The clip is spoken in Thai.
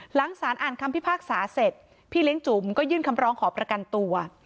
หลังสารอ่านคำพิพากษาเสร็จพี่เลี้ยงจุ๋มก็ยื่นคำร้องขอประกันตัว